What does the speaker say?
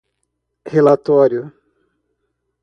relatório